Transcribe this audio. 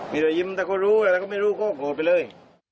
มีรอยยิ้มแต่ก็รู้แล้วก็ไม่รู้ก็โกรธไปเลย